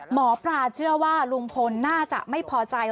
หมอปลาเชื่อว่าลุงพลน่าจะไม่พอใจ